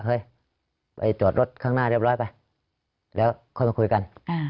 เฮ้ยไปจอดรถข้างหน้าเรียบร้อยไปแล้วค่อยมาคุยกัน